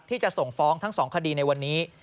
ที่จะส่งฟ้องทั้ง๒คดีในวันนี้